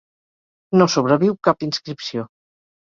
No sobreviu cap inscripció.